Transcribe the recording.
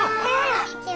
こんにちは。